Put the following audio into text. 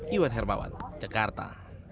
iwan hermawan jakarta